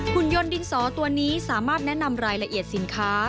คุณยนต์ดินสอตัวนี้สามารถแนะนำรายละเอียดสินค้า